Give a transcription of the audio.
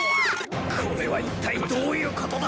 これはいったいどういうことだ？